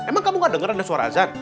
emang kamu nggak dengar ada suara azan